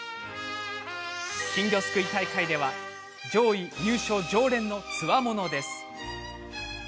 金魚すくい大会では上位入賞常連のつわものです。